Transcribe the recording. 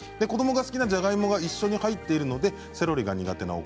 子どもが好きな、じゃがいもが一緒に入っているのでセロリが苦手